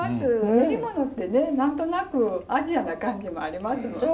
練り物ってね何となくアジアな感じもありますのでね。